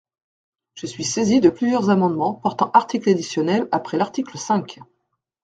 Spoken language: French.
Je suis saisi de plusieurs amendements portant articles additionnels après l’article cinq.